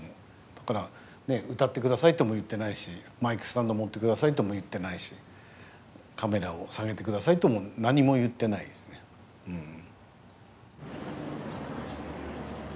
だから「歌って下さい」とも言ってないし「マイクスタンド持って下さい」とも言ってないし「カメラを下げて下さい」とも何も言ってないですねうん。